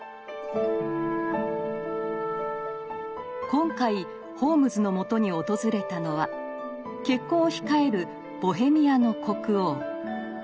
今回ホームズのもとに訪れたのは結婚を控えるボヘミアの国王。